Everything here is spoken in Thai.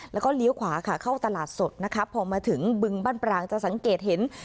แล้วก็เลี้ยวขวาค่ะเข้าตลาดสดนะคะพอมาถึงบึงบ้านปรางจะสังเกตเห็น